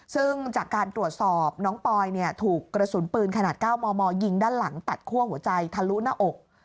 ซึ่งจากการตรวจสอบน้องปอยถูกกระสุนปืนขนาด๙มมยิงด้านหลังตัดคั่วหัวใจทะลุหน้าอก